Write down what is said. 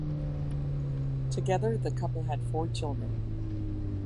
Together, the couple had four children.